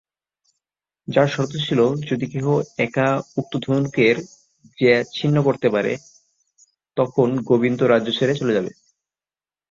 যার শর্ত ছিল যদি কেহ একা উক্ত ধনুকের জ্যা ছিন্ন করতে পারে তখন গোবিন্দ রাজ্য ছেড়ে চলে যাবে।